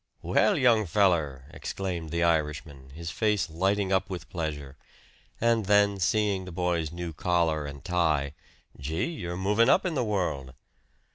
"Well, young feller!" exclaimed the Irishman, his face lighting up with pleasure; and then, seeing the boy's new collar and tie, "Gee, you're moving up in the world!"